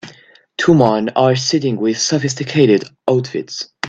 Two man are sitting with sophisticated outfits.